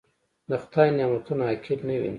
د خدای نعمتونه حقير نه وينئ.